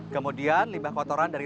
kemudian limbah kotoran dan kekebalan